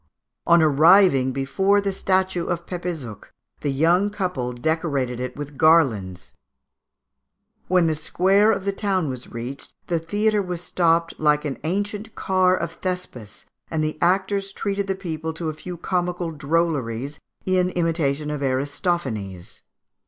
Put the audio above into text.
On arriving before the statue of Pepézuch the young people decorated it with garlands. When the square of the town was reached, the theatre was stopped like the ancient car of Thespis, and the actors treated the people to a few comical drolleries in imitation of Aristophanes.